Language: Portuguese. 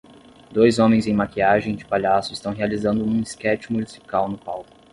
Dois homens em maquiagem de palhaço estão realizando um esquete musical no palco.